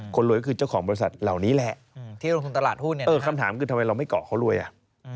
คนรวยก็คือเจ้าของบริษัทเหล่านี้แหละเออคำถามคือทำไมเราไม่เกาะเขารวยอ่ะ